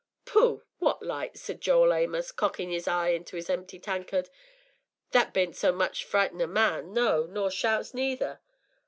'Pooh! what's lights?' says Joel Amos, cockin' 'is eye into 'is empty tankard; 'that bean't much to frighten a man, no, nor shouts neither.'